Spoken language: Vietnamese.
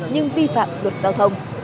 nhưng vi phạm luật giao thông